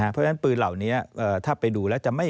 เพราะฉะนั้นปืนเหล่านี้ถ้าไปดูแล้วจะไม่